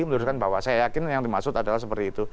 meluruskan bahwa saya yakin yang dimaksud adalah seperti itu